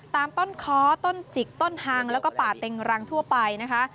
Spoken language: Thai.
ตามต้นค้อต้นจิกต้นทางแล้วก็ป่าเต็งรังทั่วไปนะคะ